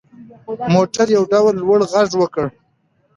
موټر یو ډول لوړ غږ وکړ.